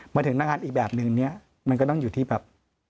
มาถึงหน้างานอีกแบบนึงเนี่ยมันก็ต้องอยู่ที่แบบ